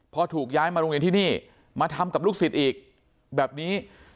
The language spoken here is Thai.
พอถูกย้ายมาโรงเรียนที่นี่มาทำกับลูกศิษย์อีกแบบนี้